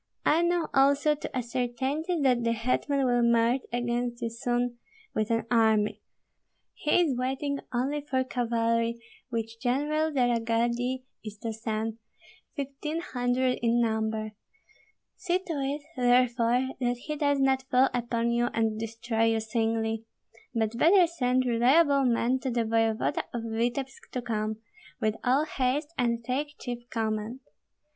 I know also to a certainty that the hetman will march against you soon with an army; he is waiting only for cavalry which General de la Gardie is to send, fifteen hundred in number. See to it, therefore, that he does not fall upon you and destroy you singly. But better send reliable men to the voevoda of Vityebsk to come, with all haste and take chief command.